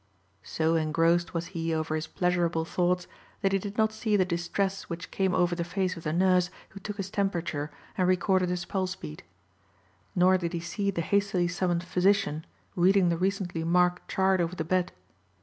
So engrossed was he over his pleasurable thoughts that he did not see the distress which came over the face of the nurse who took his temperature and recorded his pulse beat. Nor did he see the hastily summoned physician reading the recently marked chart over the bed.